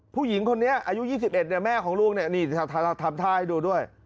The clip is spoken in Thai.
ผู้หญิงคนนี้อายุ๒๑แม่ของลูกนี่ทำท่าให้ดูด้วย